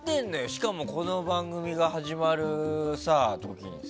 しかもこの番組が始まる時に。